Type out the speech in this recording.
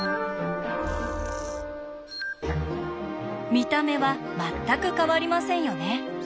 見た目は全く変わりませんよね。